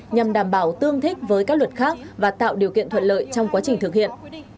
nhằm đảm bảo tương thích với các luật khác và tạo điều kiện thuận lợi trong quá trình thực hiện